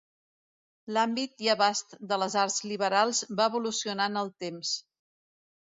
L'àmbit i abast de les arts liberals va evolucionar en el temps.